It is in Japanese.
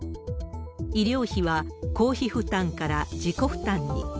医療費は公費負担から自己負担に。